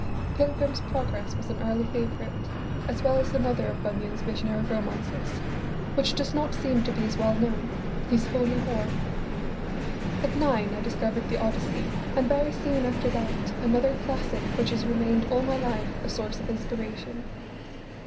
"Pilgrim's Progress" was an early favourite, as well as another of Bunyan's visionary romances, which does not seem to be as well known, his "Holy War." At nine I discovered the Odyssey and very soon after that another classic which has remained all my life a source of inspiration.